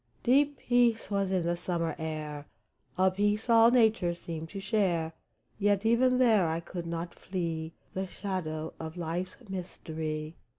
Deep peace was in the summer air, A peace all nature seemed to share ; Yet even there I could not flee The shadow of life's mystery